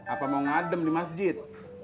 apa mau ngadem di masjid